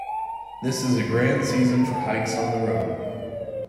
This is a grand season for hikes on the road.